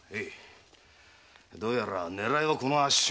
どうやら狙いはこのあっしのようで。